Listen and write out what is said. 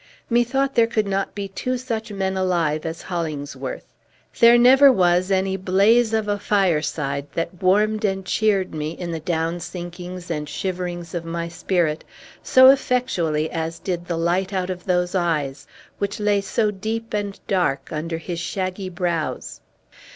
Methought there could not be two such men alive as Hollingsworth. There never was any blaze of a fireside that warmed and cheered me, in the down sinkings and shiverings of my spirit, so effectually as did the light out of those eyes, which lay so deep and dark under his shaggy brows.